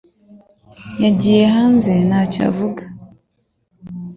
Yagiye hanze ntacyo avuga.